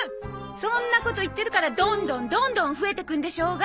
そんなこと言ってるからどんどんどんどん増えていくんでしょうが。